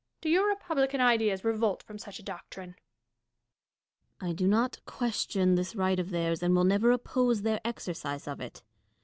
Do your republican ideas revolt from such a doctrine ? Dashkof. I do not question this right of theirs, and never will oppose their exercise of it.